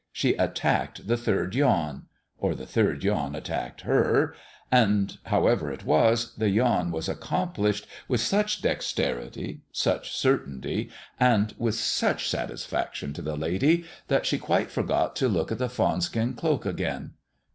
she attacked the third yawn or the third yawn attacked her and however it was, the yawn was accomplished with such dexterity, such certainty, and with such satisfaction to the lady, that she quite forgot to look at the fawn skin cloak again.